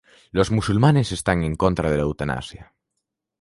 Los musulmanes están en contra de la eutanasia.